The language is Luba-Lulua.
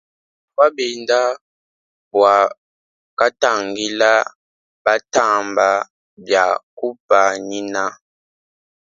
Bavwa benda bwa ktangila btamba bia kupanyina.